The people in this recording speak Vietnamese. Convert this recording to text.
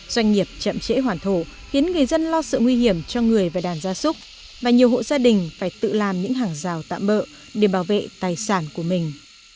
doanh nghiệp chậm trễ hoàn thổ khiến người dân lo sự nguy hiểm cho người và đàn gia súc và nhiều hộ gia đình phải tự làm những hàng rào tạm bỡ để bảo vệ tài sản của mình